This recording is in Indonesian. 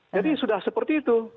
jadi sudah seperti itu